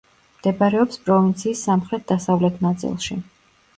მდებარეობს პროვინციის სამხრეთ-დასავლეთ ნაწილში.